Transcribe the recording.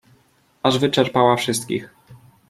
"Aż wyczerpała wszystkich."